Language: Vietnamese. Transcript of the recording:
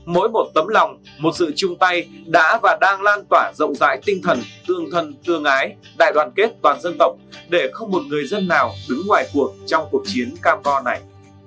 mỗi một tấm lòng một sự chung tay đã và đang lan tỏa rộng rãi tinh thần tương thân tương ái đại đoàn kết toàn dân tộc để không một người dân nào đứng ngoài cuộc trong cuộc chiến cam co này